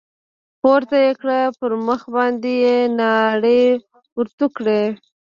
پورته يې كړ پر مخ باندې يې ناړې ورتو کړې.